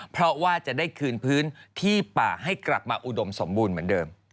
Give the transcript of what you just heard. เพราะว่าจะได้คืนพื้นที่ป่าให้กลับมาอุดมสมบูรณ์เหมือนเดิม